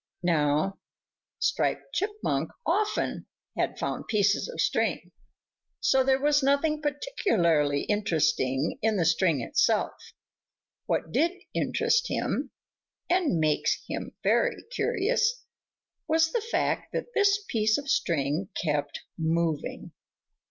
Now Striped Chipmunk often had found pieces of string, so there was nothing particularly interesting in the string itself. What did interest him and make him very curious was the fact that this piece of string kept moving.